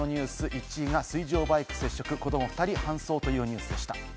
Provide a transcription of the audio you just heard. １位が水上バイク接触、子ども２人搬送というニュースでした。